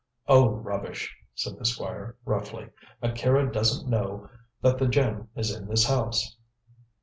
"Oh, rubbish," said the Squire, roughly; "Akira doesn't know that the gem is in this house."